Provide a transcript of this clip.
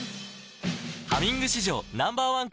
「ハミング」史上Ｎｏ．１抗菌